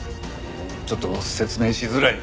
ちょっと説明しづらい。